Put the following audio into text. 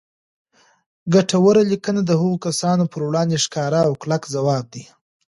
ګټوره لیکنه د هغو کسانو پر وړاندې ښکاره او کلک ځواب دی